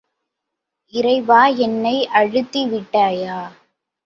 இறைவா என்னை அழித்தி விட்டாயா?